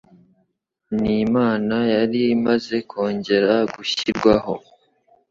n'Imana yari imaze kongera gushyirwaho.